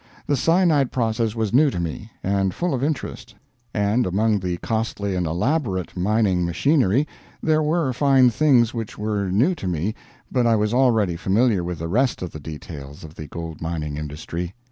The cyanide process was new to me, and full of interest; and among the costly and elaborate mining machinery there were fine things which were new to me, but I was already familiar with the rest of the details of the gold mining industry.